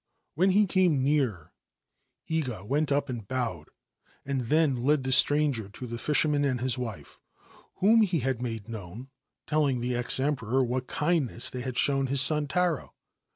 When he came nearer, Iga went up and bowed, and in led the stranger to the fisherman and his wife, whom made known, telling the ex Emperor what kindness *y had shown his son Taro.